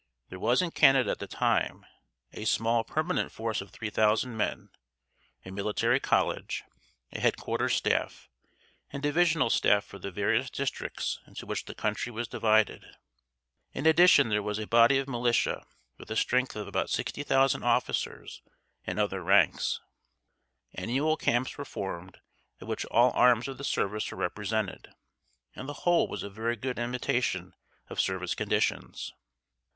There was in Canada at the time a small permanent force of 3000 men, a military college, a Headquarters staff, and divisional staff for the various districts into which the country was divided. In addition there was a body of militia with a strength of about 60,000 officers and other ranks. Annual camps were formed at which all arms of the service were represented, and the whole was a very good imitation of service conditions.